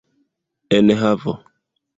enhavo